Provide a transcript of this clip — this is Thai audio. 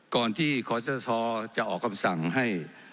ก่อนที่ขอสาธารณ์ทรศจะออกคำสั่งให้